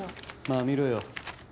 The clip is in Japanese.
まあ見ろよ